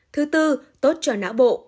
thứ tư tốt cho não bộ